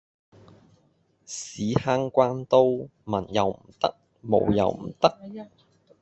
屎坑關刀文又唔得武又唔得